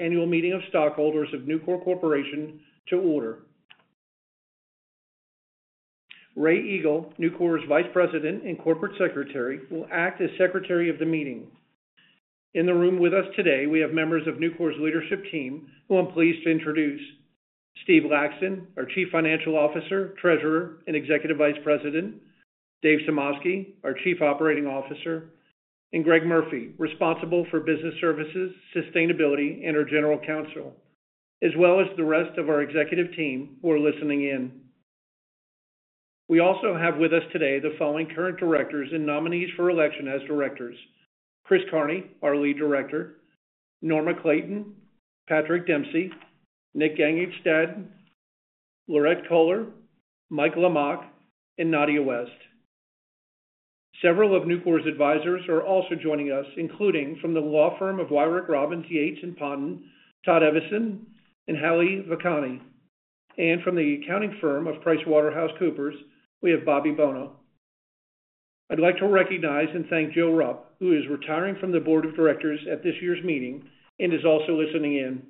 Annual Meeting of Stockholders of Nucor Corporation to order. Rae Eagle, Nucor's Vice President and Corporate Secretary, will act as Secretary of the meeting. In the room with us today, we have members of Nucor's leadership team, who I'm pleased to introduce. Steve Laxton, our Chief Financial Officer, Treasurer, and Executive Vice President, Dave Sumoski, our Chief Operating Officer, and Greg Murphy, responsible for business services, sustainability, and our General Counsel, as well as the rest of our executive team who are listening in. We also have with us today the following current directors and nominees for election as directors: Chris Kearney, our Lead Director, Norma Clayton, Patrick Dempsey, Nick Gangestad, Laurette Koellner, Mike Lamach, and Nadja West. Several of Nucor's advisors are also joining us, including from the law firm of Weil, Gotshal & Manges, Todd Eveson and Hallie Vicani, and from the accounting firm of PricewaterhouseCoopers, we have Bobby Bono. I'd like to recognize and thank Joe Rupp, who is retiring from the Board of Directors at this year's meeting and is also listening in.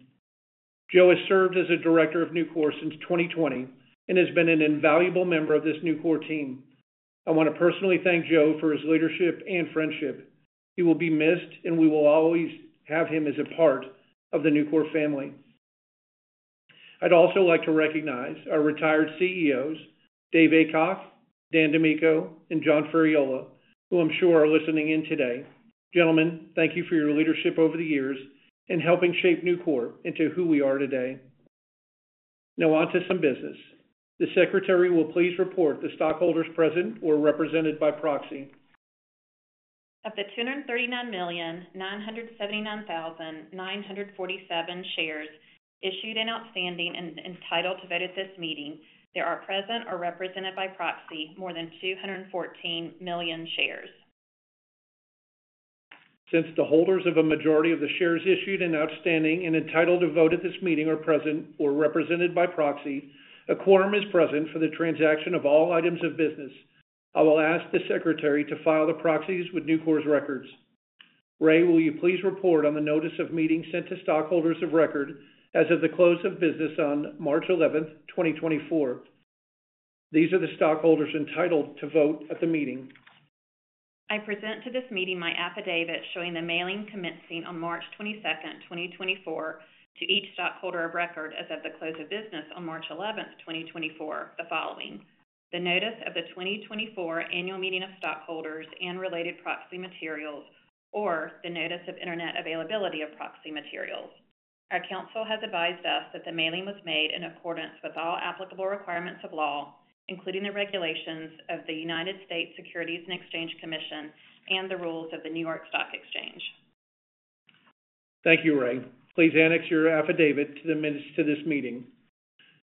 Joe has served as a Director of Nucor since 2020, and has been an invaluable member of this Nucor team. I want to personally thank Joe for his leadership and friendship. He will be missed, and we will always have him as a part of the Nucor family. I'd also like to recognize our retired CEOs, David Aycock, Dan DiMicco, and John Ferriola, who I'm sure are listening in today. Gentlemen, thank you for your leadership over the years and helping shape Nucor into who we are today. Now on to some business. The secretary will please report the stockholders present or represented by proxy. Of the 239,979,947 shares issued and outstanding and entitled to vote at this meeting, there are present or represented by proxy more than 214 million shares. Since the holders of a majority of the shares issued and outstanding and entitled to vote at this meeting are present or represented by proxy, a quorum is present for the transaction of all items of business. I will ask the secretary to file the proxies with Nucor's records. Ray, will you please report on the notice of meeting sent to stockholders of record as of the close of business on March eleventh, 2024? These are the stockholders entitled to vote at the meeting. I present to this meeting my affidavit showing the mailing commencing on March 22, 2024, to each stockholder of record as of the close of business on March 11, 2024, the following: The notice of the 2024 Annual Meeting of Stockholders and related proxy materials or the notice of internet availability of proxy materials. Our counsel has advised us that the mailing was made in accordance with all applicable requirements of law, including the regulations of the United States Securities and Exchange Commission and the rules of the New York Stock Exchange. Thank you, Ray. Please annex your affidavit to the minutes to this meeting.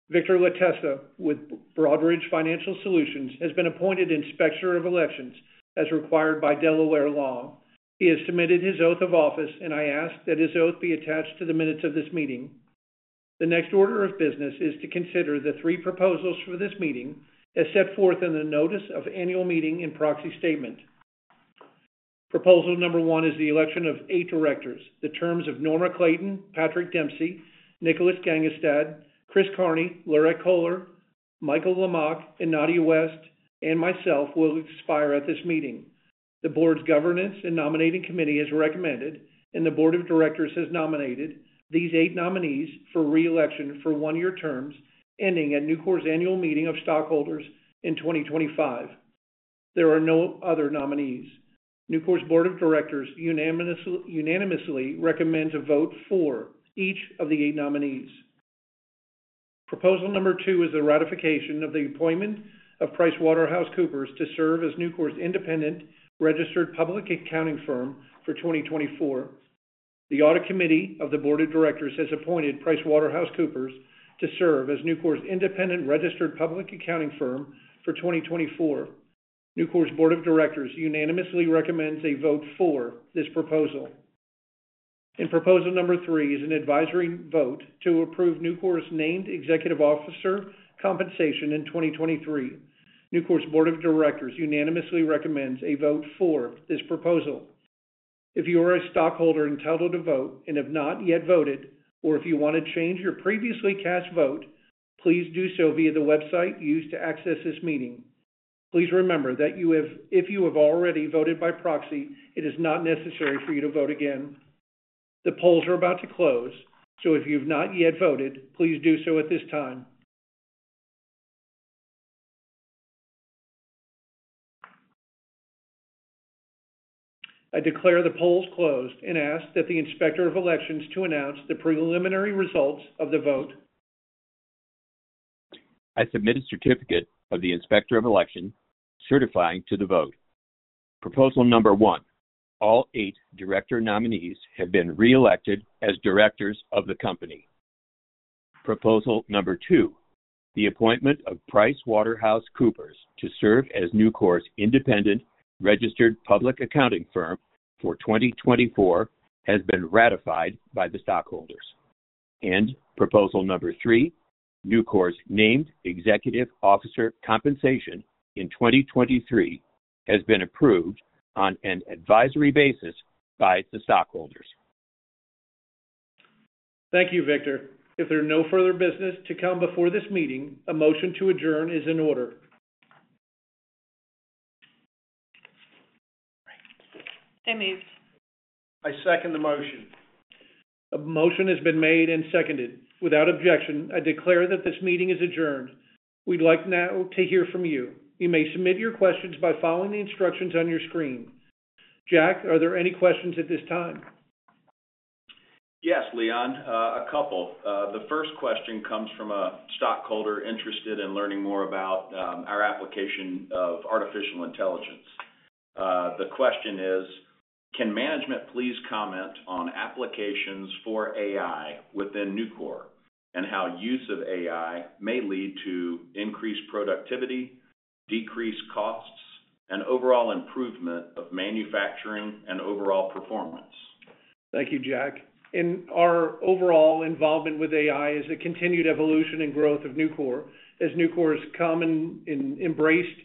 Victor Latessa, with Broadridge Financial Solutions, has been appointed Inspector of Elections, as required by Delaware law. He has submitted his oath of office, and I ask that his oath be attached to the minutes of this meeting. The next order of business is to consider the 3 proposals for this meeting, as set forth in the notice of annual meeting and proxy statement. Proposal number 1 is the election of 8 directors. The terms of Norma Clayton, Patrick Dempsey, Nicholas Gangestad, Chris Kearney, Laurette Koellner, Michael Lamach, and Nadja West, and myself will expire at this meeting. The board's Governance and Nominating Committee has recommended, and the Board of Directors has nominated these 8 nominees for re-election for 1-year terms, ending at Nucor's Annual Meeting of Stockholders in 2025. There are no other nominees. Nucor's Board of Directors unanimously recommends a vote for each of the eight nominees. Proposal number 2 is the ratification of the appointment of PricewaterhouseCoopers to serve as Nucor's independent registered public accounting firm for 2024. The Audit Committee of the Board of Directors has appointed PricewaterhouseCoopers to serve as Nucor's independent registered public accounting firm for 2024. Nucor's Board of Directors unanimously recommends a vote for this proposal. In proposal number 3 is an advisory vote to approve Nucor's named executive officer compensation in 2023. Nucor's Board of Directors unanimously recommends a vote for this proposal. If you are a stockholder entitled to vote and have not yet voted, or if you want to change your previously cast vote, please do so via the website used to access this meeting. Please remember that if you have already voted by proxy, it is not necessary for you to vote again. The polls are about to close, so if you've not yet voted, please do so at this time. I declare the polls closed and ask that the Inspector of Elections to announce the preliminary results of the vote. I submit a certificate of the Inspector of Election, certifying to the vote. Proposal number one, all eight director nominees have been re-elected as directors of the company. Proposal number two, the appointment of PricewaterhouseCoopers to serve as Nucor's independent registered public accounting firm for 2024 has been ratified by the stockholders. Proposal number three, Nucor's named executive officer compensation in 2023 has been approved on an advisory basis by the stockholders. Thank you, Victor. If there are no further business to come before this meeting, a motion to adjourn is in order. I move. I second the motion. A motion has been made and seconded. Without objection, I declare that this meeting is adjourned. We'd like now to hear from you. You may submit your questions by following the instructions on your screen. Jack, are there any questions at this time? Yes, Leon, a couple. The first question comes from a stockholder interested in learning more about our application of artificial intelligence. The question is: Can management please comment on applications for AI within Nucor, and how use of AI may lead to increased productivity, decreased costs, and overall improvement of manufacturing and overall performance? Thank you, Jack. In our overall involvement with AI is a continued evolution and growth of Nucor. As Nucor's come and embraced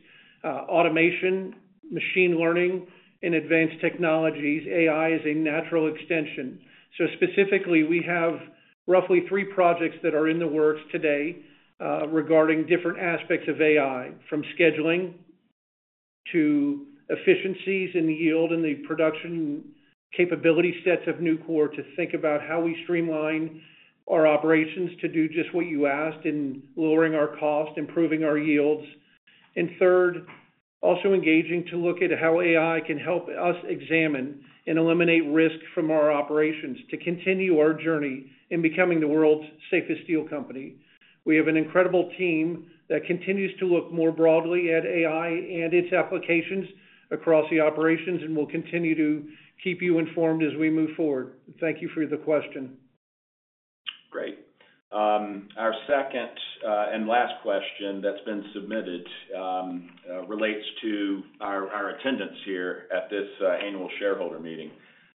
automation, machine learning, and advanced technologies, AI is a natural extension. So specifically, we have roughly three projects that are in the works today, regarding different aspects of AI, from scheduling to efficiencies in the yield and the production capability sets of Nucor, to think about how we streamline our operations to do just what you asked in lowering our cost, improving our yields. And third, also engaging to look at how AI can help us examine and eliminate risk from our operations to continue our journey in becoming the world's safest steel company. We have an incredible team that continues to look more broadly at AI and its applications across the operations, and we'll continue to keep you informed as we move forward. Thank you for the question. Great. Our second and last question that's been submitted relates to our attendance here at this annual shareholder meeting.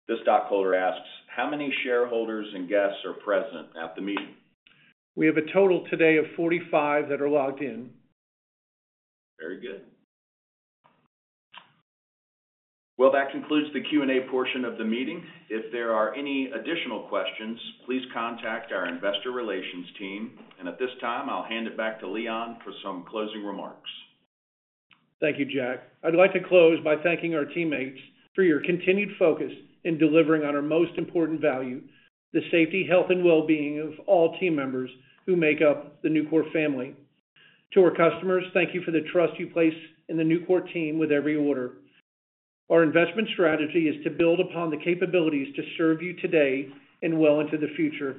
This stockholder asks: How many shareholders and guests are present at the meeting? We have a total today of 45 that are logged in. Very good. Well, that concludes the Q&A portion of the meeting. If there are any additional questions, please contact our investor relations team, and at this time, I'll hand it back to Leon for some closing remarks. Thank you, Jack. I'd like to close by thanking our teammates for your continued focus in delivering on our most important value, the safety, health, and well-being of all team members who make up the Nucor family. To our customers, thank you for the trust you place in the Nucor team with every order. Our investment strategy is to build upon the capabilities to serve you today and well into the future.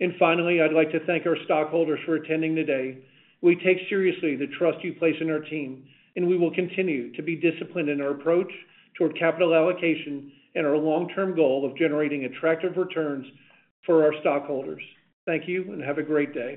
And finally, I'd like to thank our stockholders for attending today. We take seriously the trust you place in our team, and we will continue to be disciplined in our approach toward capital allocation and our long-term goal of generating attractive returns for our stockholders. Thank you, and have a great day.